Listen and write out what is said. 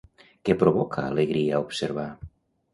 Què provoca alegria observar?